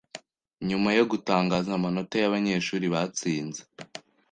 Nyuma yo gutangaza amanota y’abanyeshuri batsinze